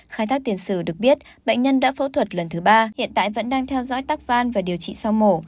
khai thác tiền sử được biết bệnh nhân đã phẫu thuật lần thứ ba hiện tại vẫn đang theo dõi tác văn và điều trị sau mổ